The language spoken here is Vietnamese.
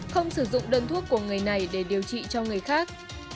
không sử dụng đơn thuốc của người này để điều trị cho người khác